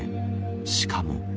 しかも。